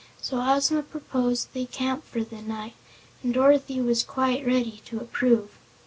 So Ozma proposed they camp for the night and Dorothy was quite ready to approve.